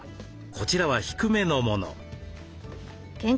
こちらは低めのもの。